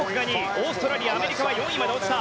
オーストラリア、アメリカは４位まで落ちた。